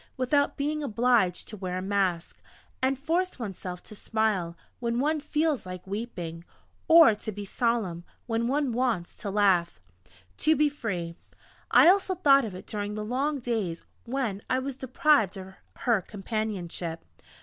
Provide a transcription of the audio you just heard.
without being obliged to wear a mask, and force oneself to smile, when one feels like weeping or to be solemn, when one wants to laugh!"... To be free! I also thought of it during the long days when I was deprived of her companionship....